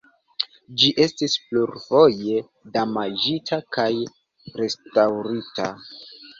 Ĝi estis plurfoje damaĝita kaj restaŭrita.